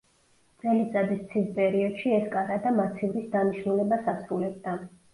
წელიწადის ცივ პერიოდში ეს კარადა მაცივრის დანიშნულებას ასრულებდა.